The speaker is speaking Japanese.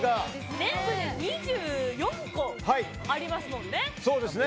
全部で２４個ありますもんね。